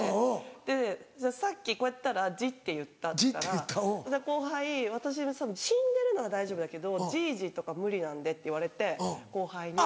で「さっきこうやったらジッていった」って言ったら後輩「私死んでるのは大丈夫だけどジジとか無理なんで」って言われて後輩に。